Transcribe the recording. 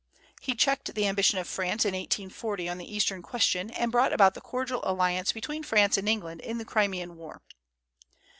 He checked the ambition of France in 1840 on the Eastern question, and brought about the cordial alliance between France and England in the Crimean war.